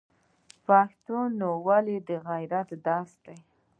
پښتونولي د غیرت درس دی.